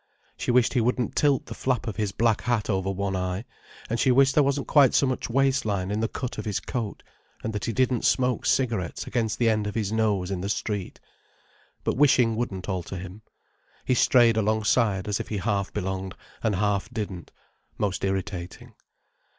She wished he wouldn't tilt the flap of his black hat over one eye, and she wished there wasn't quite so much waist line in the cut of his coat, and that he didn't smoke cigarettes against the end of his nose in the street. But wishing wouldn't alter him. He strayed alongside as if he half belonged, and half didn't—most irritating.